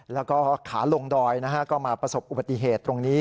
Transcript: แล้วก็ขาลงดอยก็มาประสบอุบัติเหตุตรงนี้